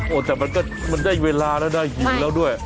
โหแต่ก็เลยได้เวลาได้ขี้แล้วด้วย